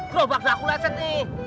kerobak daku leceh nih